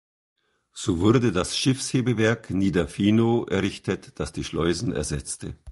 So wurde das Schiffshebewerk Niederfinow errichtet, das die Schleusen ersetzte.